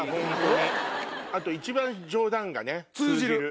あと一番冗談が通じる。